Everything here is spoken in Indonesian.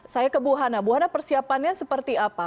saya ke bu hana bu hana persiapannya seperti apa